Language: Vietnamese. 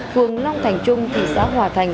thường long thành trung thị xã hòa thành